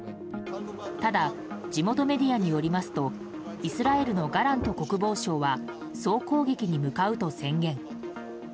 ただ、地元メディアによりますとイスラエルのガラント国防相は総攻撃に向かうと宣言。